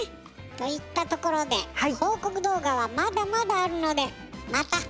といったところで報告動画はまだまだあるのでまた後でね！